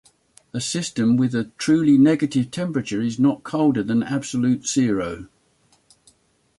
A system with a truly negative temperature is not colder than absolute zero.